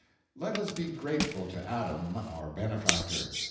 Let us be grateful to Adam our benefactor.